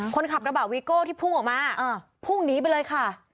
คนขับกระบะวีโก้ที่พุ่งออกมาพุ่งหนีไปเลยค่ะ